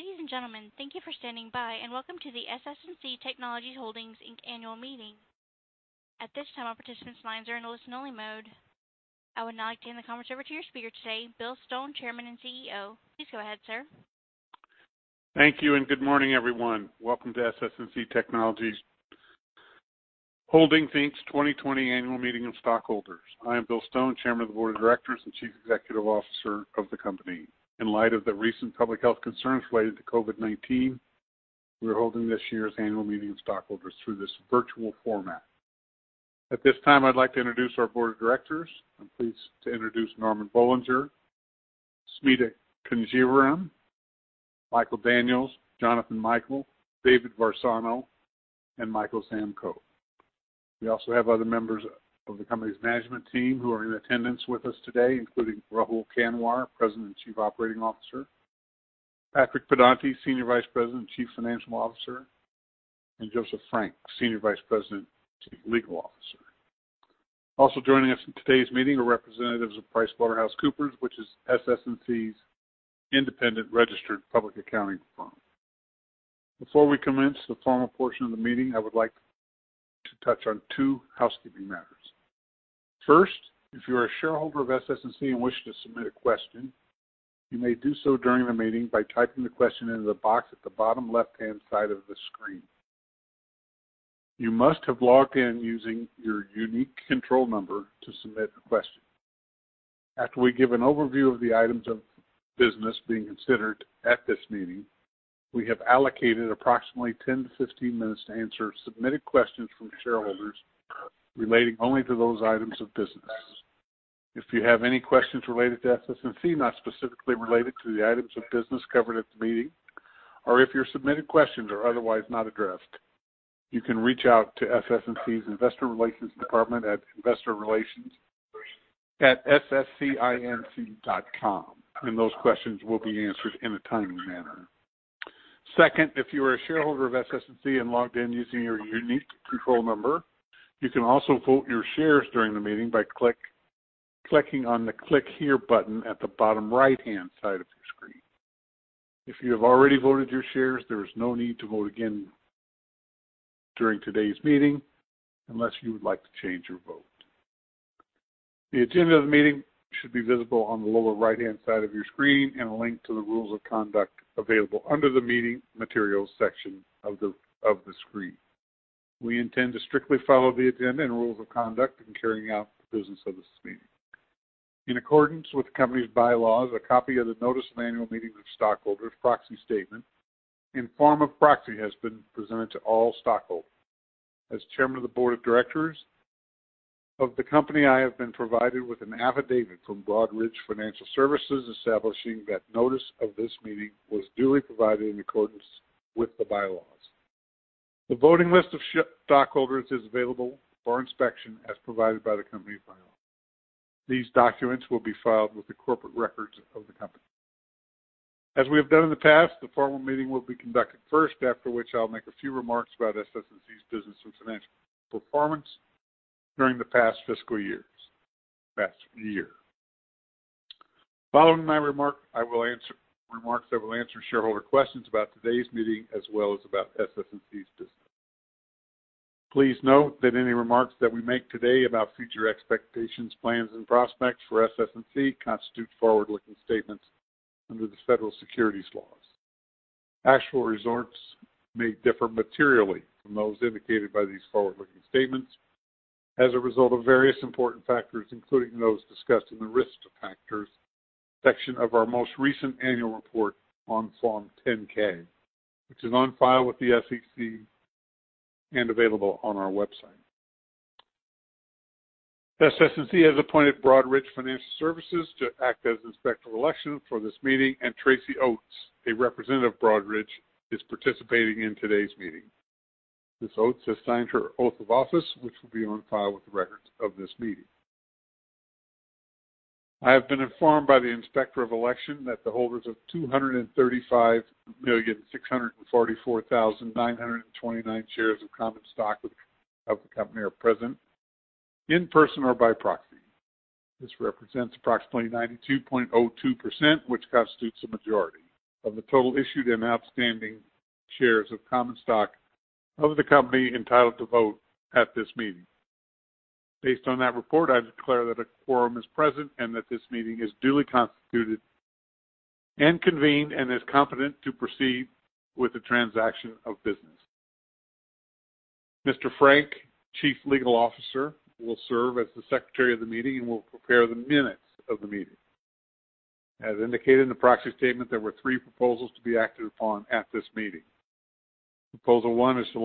Ladies and gentlemen, thank you for standing by, and welcome to the SS&C Technologies Holdings, Inc. annual meeting. At this time, all participants' lines are in a listen-only mode. I would now like to hand the conference over to your speaker today, Bill Stone, Chairman and CEO. Please go ahead, sir. Thank you and good morning, everyone. Welcome to SS&C Technologies Holdings, Inc.'s 2020 Annual Meeting of Stockholders. I am Bill Stone, Chairman of the Board of Directors and Chief Executive Officer of the company. In light of the recent public health concerns related to COVID-19, we are holding this year's annual meeting of stockholders through this virtual format. At this time, I'd like to introduce our board of directors. I'm pleased to introduce Normand Boulanger, Smita Conjeevaram, Michael Daniels, Jonathan Michael, David Varsano, and Michael Zamkow. We also have other members of the company's management team who are in attendance with us today, including Rahul Kanwar, President and Chief Operating Officer, Patrick Pedonti, Senior Vice President and Chief Financial Officer, and Joseph Frank, Senior Vice President and Chief Legal Officer. Also joining us in today's meeting are representatives of PricewaterhouseCoopers, which is SS&C's independent registered public accounting firm. Before we commence the formal portion of the meeting, I would like to touch on two housekeeping matters. First, if you are a shareholder of SS&C and wish to submit a question, you may do so during the meeting by typing the question into the box at the bottom left-hand side of the screen. You must have logged in using your unique control number to submit a question. After we give an overview of the items of business being considered at this meeting, we have allocated approximately 10-15 minutes to answer submitted questions from shareholders relating only to those items of business. If you have any questions related to SS&C not specifically related to the items of business covered at the meeting, or if your submitted questions are otherwise not addressed, you can reach out to SS&C's investor relations department at investorrelations@sscinc.com, and those questions will be answered in a timely manner. Second, if you are a shareholder of SS&C and logged in using your unique control number, you can also vote your shares during the meeting by clicking on the Click Here button at the bottom right-hand side of your screen. If you have already voted your shares, there is no need to vote again during today's meeting unless you would like to change your vote. The agenda of the meeting should be visible on the lower right-hand side of your screen, and a link to the rules of conduct available under the Meeting Materials section of the screen. We intend to strictly follow the agenda and rules of conduct in carrying out the business of this meeting. In accordance with the company's bylaws, a copy of the notice of annual meeting of stockholders, proxy statement, and form of proxy has been presented to all stockholders. As chairman of the board of directors of the company, I have been provided with an affidavit from Broadridge Financial Solutions establishing that notice of this meeting was duly provided in accordance with the bylaws. The voting list of stockholders is available for inspection as provided by the company bylaws. These documents will be filed with the corporate records of the company. As we have done in the past, the formal meeting will be conducted first, after which I'll make a few remarks about SS&C's business and financial performance during the past fiscal year. Following my remarks, I will answer shareholder questions about today's meeting as well as about SS&C's business. Please note that any remarks that we make today about future expectations, plans, and prospects for SS&C constitute forward-looking statements under the federal securities laws. Actual results may differ materially from those indicated by these forward-looking statements as a result of various important factors, including those discussed in the Risk Factors section of our most recent annual report on Form 10-K, which is on file with the SEC and available on our website. SS&C has appointed Broadridge Financial Solutions to act as inspector of election for this meeting, and Tracy Oates, a representative of Broadridge, is participating in today's meeting. Ms. Oates has signed her oath of office, which will be on file with the records of this meeting. I have been informed by the inspector of election that the holders of 235,644,929 shares of common stock of the company are present in person or by proxy. This represents approximately 92.02%, which constitutes a majority of the total issued and outstanding shares of common stock of the company entitled to vote at this meeting. Based on that report, I declare that a quorum is present and that this meeting is duly constituted and convened and is competent to proceed with the transaction of business. Mr. Frank, Chief Legal Officer, will serve as the secretary of the meeting and will prepare the minutes of the meeting. As indicated in the proxy statement, there were three proposals to be acted upon at this meeting. Proposal one is to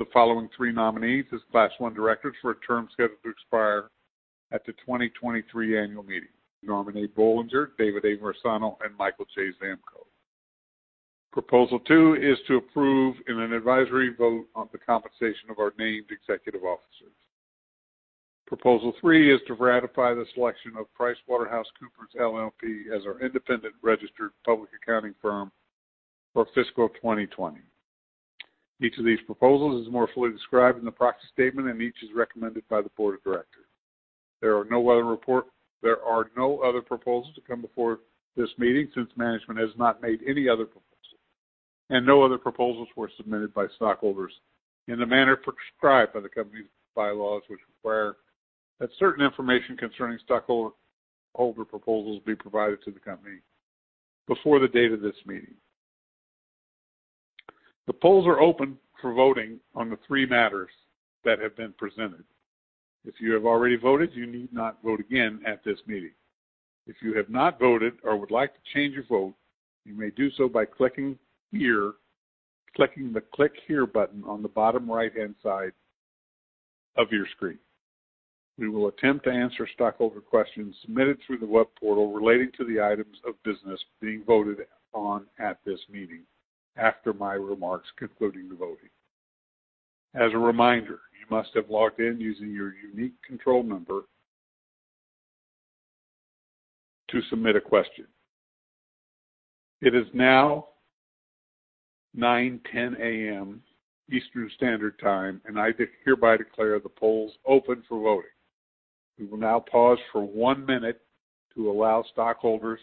elect the following three nominees as Class I directors for a term scheduled to expire at the 2023 annual meeting, Normand A. Boulanger, David A. Varsano, and Michael J. Zamkow. Proposal 2 is to approve in an advisory vote on the compensation of our named executive officers. Proposal 3 is to ratify the selection of PricewaterhouseCoopers LLP as our independent registered public accounting firm for fiscal 2020. Each of these proposals is more fully described in the proxy statement, and each is recommended by the board of directors. There are no other proposals to come before this meeting, since management has not made any other proposals. No other proposals were submitted by stockholders in the manner prescribed by the company's bylaws, which require that certain information concerning stockholder proposals be provided to the company before the date of this meeting. The polls are open for voting on the three matters that have been presented. If you have already voted, you need not vote again at this meeting. If you have not voted or would like to change your vote, you may do so by clicking the Click Here button on the bottom right-hand side of your screen. We will attempt to answer stockholder questions submitted through the web portal relating to the items of business being voted on at this meeting after my remarks concluding the voting. As a reminder, you must have logged in using your unique control number to submit a question. It is now 9:10 A.M. Eastern Standard Time, and I hereby declare the polls open for voting. We will now pause for one minute to allow stockholders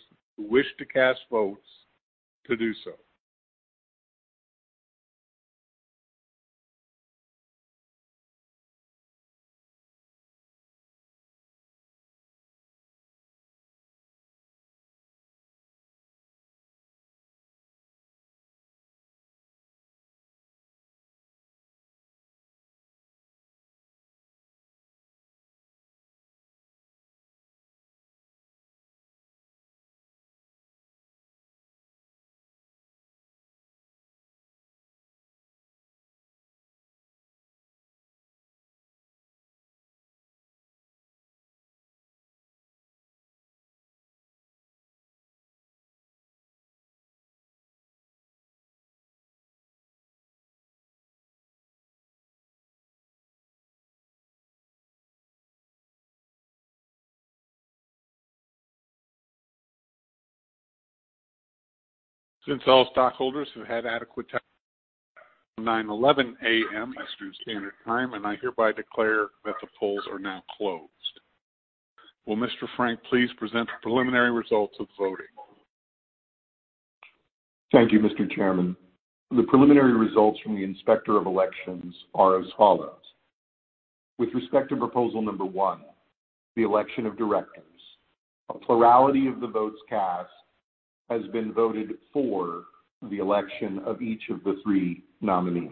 who wish to cast votes to do so. 9:11 A.M. Eastern Standard Time, and I hereby declare that the polls are now closed. Will Mr. Frank please present the preliminary results of the voting? Thank you, Mr. Chairman. The preliminary results from the Inspector of Elections are as follows. With respect to proposal number one, the election of directors, a plurality of the votes cast has been voted for the election of each of the three nominees.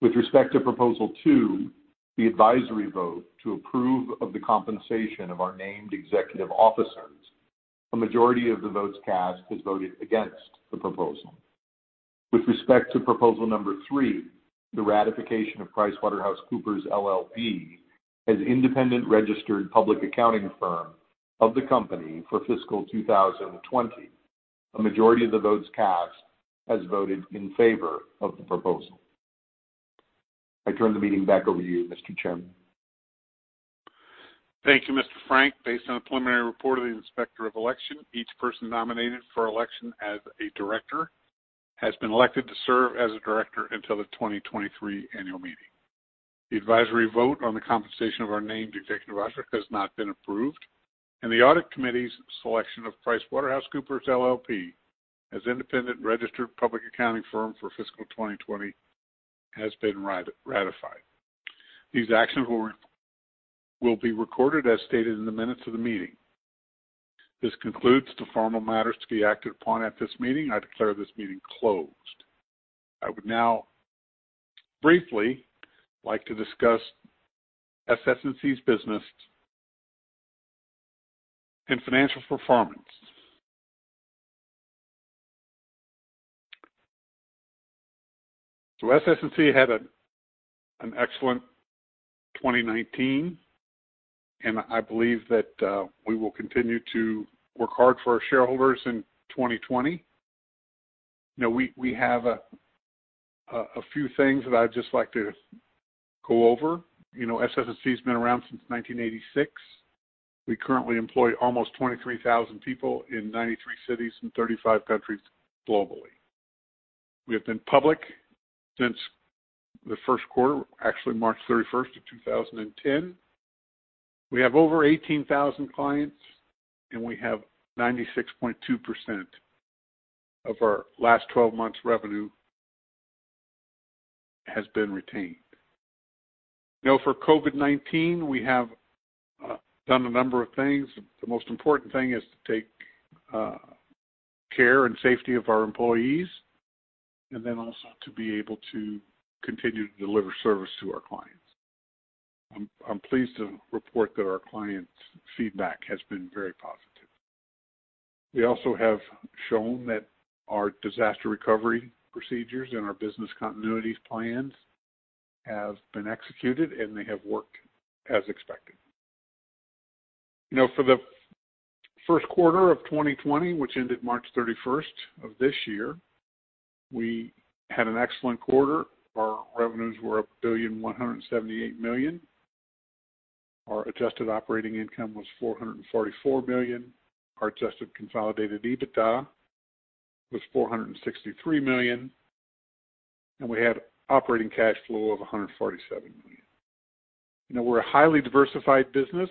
With respect to proposal two, the advisory vote to approve of the compensation of our named executive officers, a majority of the votes cast has voted against the proposal. With respect to proposal number three, the ratification of PricewaterhouseCoopers LLP as independent registered public accounting firm of the company for fiscal 2020, a majority of the votes cast has voted in favor of the proposal. I turn the meeting back over to you, Mr. Chairman. Thank you, Mr. Frank. Based on the preliminary report of the Inspector of Election, each person nominated for election as a director has been elected to serve as a director until the 2023 annual meeting. The advisory vote on the compensation of our named executive officer has not been approved, and the Audit Committee's selection of PricewaterhouseCoopers LLP as independent registered public accounting firm for fiscal 2020 has been ratified. These actions will be recorded as stated in the minutes of the meeting. This concludes the formal matters to be acted upon at this meeting. I declare this meeting closed. I would now briefly like to discuss SS&C's business and financial performance. SS&C had an excellent 2019, and I believe that we will continue to work hard for our shareholders in 2020. We have a few things that I'd just like to go over. SS&C's been around since 1986. We currently employ almost 23,000 people in 93 cities and 35 countries globally. We have been public since the first quarter, actually March 31st, 2010. We have over 18,000 clients, and we have 96.2% of our last 12 months revenue has been retained. For COVID-19, we have done a number of things. The most important thing is to take care and safety of our employees, and then also to be able to continue to deliver service to our clients. I'm pleased to report that our clients' feedback has been very positive. We also have shown that our disaster recovery procedures and our business continuity plans have been executed, and they have worked as expected. For the first quarter of 2020, which ended March 31st of this year, we had an excellent quarter. Our revenues were $1.178 billion. Our adjusted operating income was $444 million. Our adjusted consolidated EBITDA was $463 million, and we had operating cash flow of $147 million. We're a highly diversified business.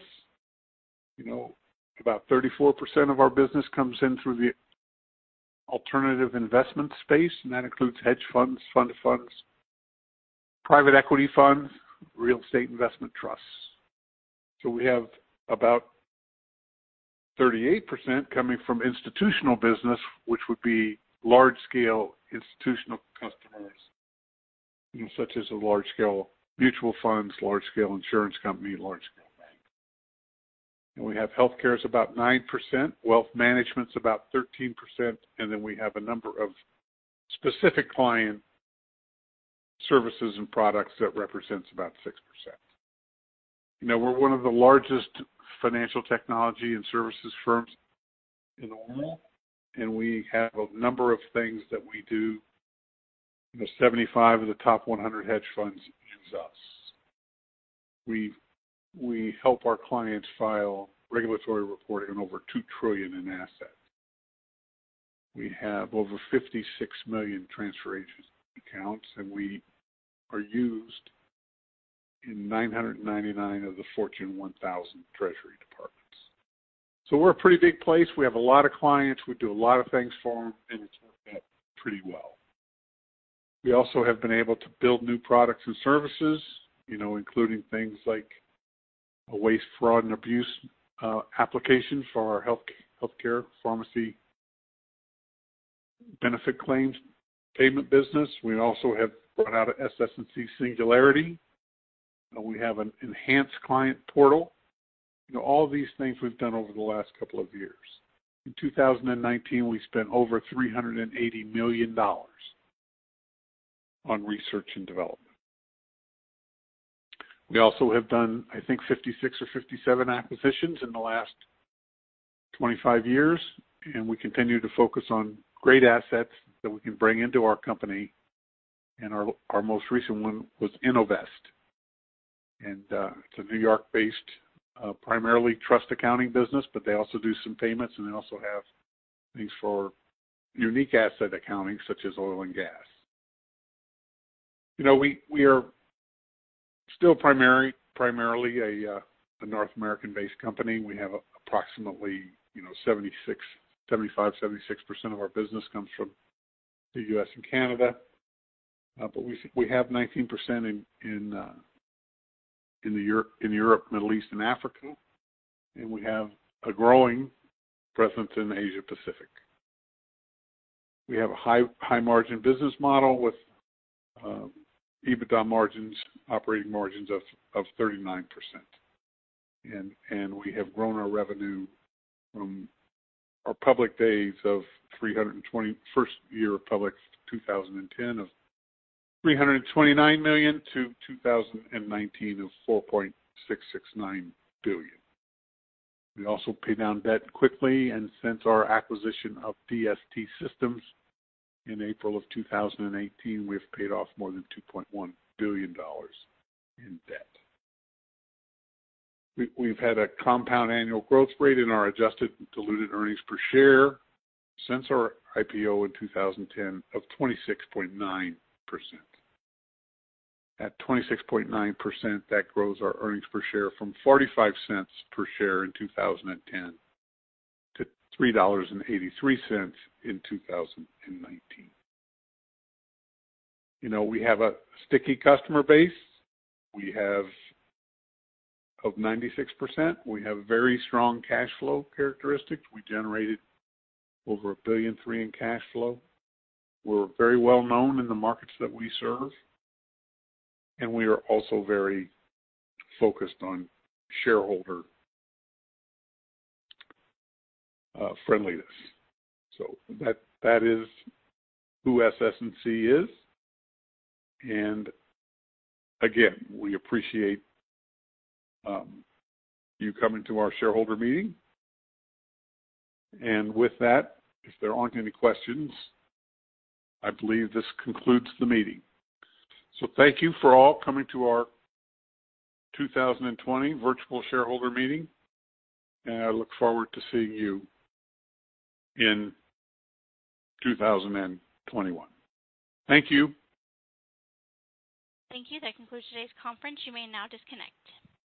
About 34% of our business comes in through the alternative investment space, and that includes hedge funds, fund of funds, private equity funds, real estate investment trusts. We have about 38% coming from institutional business, which would be large-scale institutional customers, such as large-scale mutual funds, large-scale insurance company, large-scale bank. We have healthcare is about 9%, wealth management's about 13%, we have a number of specific client services and products that represents about 6%. We're one of the largest financial technology and services firms in the world, and we have a number of things that we do. 75 of the top 100 hedge funds use us. We help our clients file regulatory reporting on over $2 trillion in assets. We have over 56 million transfer agent accounts, and we are used in 999 of the Fortune 1,000 treasury departments. We're a pretty big place. We have a lot of clients. We do a lot of things for them, and it's worked out pretty well. We also have been able to build new products and services, including things like a waste, fraud, and abuse application for our healthcare pharmacy benefit claims payment business. We also have put out a SS&C Singularity. We have an enhanced client portal. All of these things we've done over the last couple of years. In 2019, we spent over $380 million on research and development. We also have done, I think, 56 or 57 acquisitions in the last 25 years, we continue to focus on great assets that we can bring into our company. Our most recent one was Innovest. It's a New York-based, primarily trust accounting business. They also do some payments. They also have things for unique asset accounting, such as oil and gas. We are still primarily a North American-based company. We have approximately 75%, 76% of our business comes from the U.S. and Canada. We have 19% in Europe, Middle East, and Africa. We have a growing presence in Asia Pacific. We have a high margin business model with EBITDA margins, operating margins of 39%. We have grown our revenue from our public days of, first year of public 2010 of $329 million to 2019 of $4.669 billion. We also pay down debt quickly. Since our acquisition of DST Systems in April of 2018, we've paid off more than $2.1 billion in debt. We've had a compound annual growth rate in our adjusted diluted earnings per share since our IPO in 2010 of 26.9%. At 26.9%, that grows our earnings per share from $0.45 per share in 2010 to $3.83 in 2019. We have a sticky customer base of 96%. We have very strong cash flow characteristics. We generated over $1.3 billion in cash flow. We're very well known in the markets that we serve. We are also very focused on shareholder friendliness. That is who SS&C is. Again, we appreciate you coming to our shareholder meeting. With that, if there aren't any questions, I believe this concludes the meeting. Thank you for all coming to our 2020 Virtual Shareholder Meeting, and I look forward to seeing you in 2021. Thank you. Thank you. That concludes today's conference. You may now disconnect.